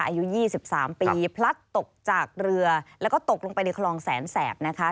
อายุ๒๓ปีพลัดตกจากเรือแล้วก็ตกลงไปในคลองแสนแสบนะคะ